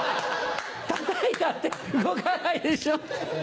たたいたって動かないでしょ。